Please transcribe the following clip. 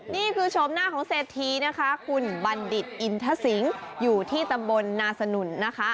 ชมหน้าของเศรษฐีนะคะคุณบัณฑิตอินทสิงศ์อยู่ที่ตำบลนาสนุนนะคะ